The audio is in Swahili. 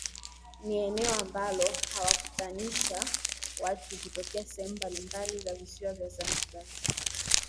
Ni eneo ambalo huwakutanisha watu kutokea sehemu mbalimbali za visiwa vya Zanzibar